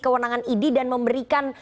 kewenangan ini dan memberikan